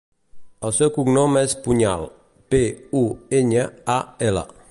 El seu cognom és Puñal: pe, u, enya, a, ela.